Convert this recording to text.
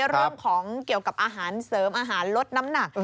เรื่องของเกี่ยวกับอาหารเสริมอาหารลดน้ำหนัก